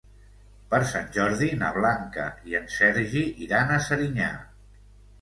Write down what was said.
Per Sant Jordi na Blanca i en Sergi iran a Serinyà.